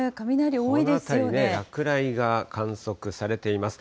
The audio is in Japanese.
この辺りね、落雷が観測されています。